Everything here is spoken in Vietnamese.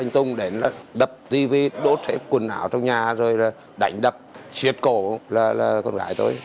tùng đã đập tivi đốt hết quần ảo trong nhà đánh đập siết cổ con gái tôi